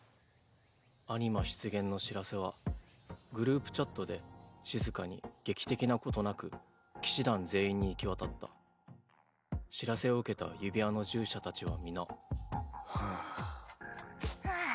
アニマ出現の知らせはグループチャットで静かに劇的なことなく騎士団全員に行き渡った知らせを受けた指輪の従者たちは皆はぁ。